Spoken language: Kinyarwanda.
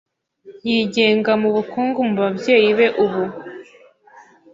Yigenga mubukungu mubabyeyi be ubu.